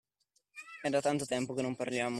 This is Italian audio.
E' da tanto tempo che non parliamo.